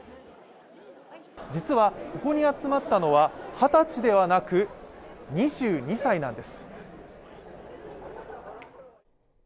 実はここに集まったのは二十歳ではなく、２２歳なんです。